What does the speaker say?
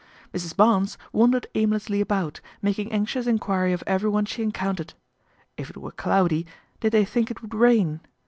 Mrs. Barnes wandered aimlessly about, making anxious enquiry of everyone she encountered. If it were cloudy, did they think it would rain